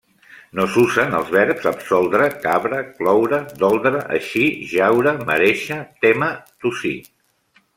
No s'usen els verbs absoldre, cabre, cloure, doldre, eixir, jaure, merèixer, témer, tossir.